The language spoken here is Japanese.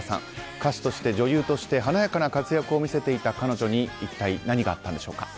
歌手として女優として華やかな活躍を見せていた彼女に一体何があったんでしょうか。